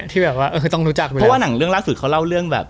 ที่แบบว่าต้องรู้จักเพราะว่าหนังเรื่องล่าสุดเขาเล่าเรื่องแบบ